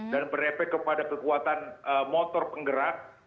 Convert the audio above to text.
dan berrepek kepada kekuatan motor penggerak